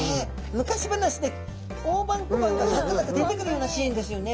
昔話で大判小判がザクザク出てくるようなシーンですよね何か。